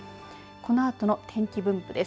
このあとの天気分布です。